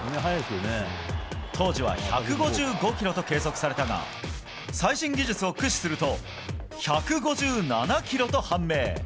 当時は１５５キロと計測されたが最新技術を駆使すると１５７キロと判明。